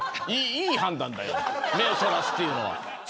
いい判断だよ、目をそらすのは。